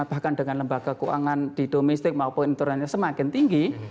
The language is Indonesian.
bahkan dengan lembaga keuangan di domestik maupun internet semakin tinggi